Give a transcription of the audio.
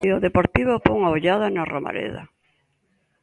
E o Deportivo pon a ollada na Romareda.